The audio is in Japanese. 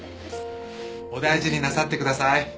お大事になさってください。